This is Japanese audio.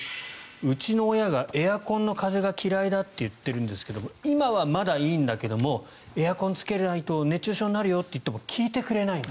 うちの親がエアコンの風が嫌いだと言ってるんですが今はまだいいんだけどエアコンをつけないと熱中症になるよと言っても聞いてくれない。